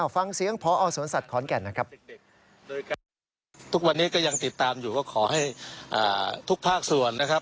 ฟังเสียงพอสวนสัตว์ขอนแก่นนะครับ